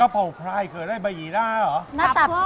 กะเพราควายเกิดได้ใบหยีระหรอ